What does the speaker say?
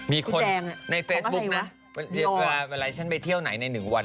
มีคนในเฟซบุ๊กนะเวลาฉันไปเที่ยวไหนใน๑วัน